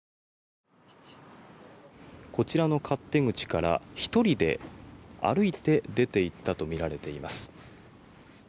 こちらの勝手口から１人で歩いて出ていったとみられています。